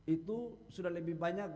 itu sudah lebih banyak